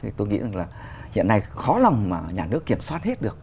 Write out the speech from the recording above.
thì tôi nghĩ là hiện nay khó lòng nhà nước kiểm soát hết được